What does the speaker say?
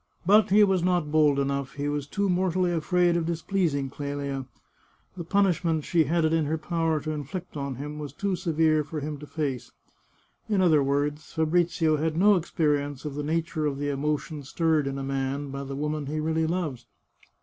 But he was not bold enough ; he was too mortally afraid of displeasing Clelia. The punishment she had it in her power to inflict on him was too severe for him to face. In other words, Fabrizio had no experience of the nature of the emotion stirred in a man by the woman he really loves.